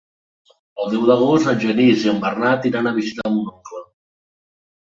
El deu d'agost en Genís i en Bernat iran a visitar mon oncle.